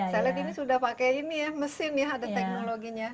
saya lihat ini sudah pakai ini ya mesin ya ada teknologinya